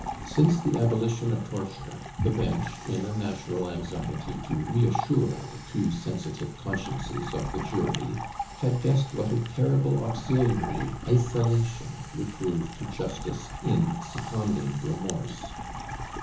Since the abolition of torture, the Bench, in a natural anxiety to reassure the too sensitive consciences of the jury, had guessed what a terrible auxiliary isolation would prove to justice in seconding remorse.